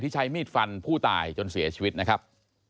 ใช้มีดฟันผู้ตายจนเสียชีวิตนะครับ